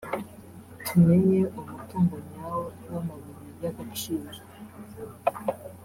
“Tumenye umutungo nyawo w’amabuye y’agaciro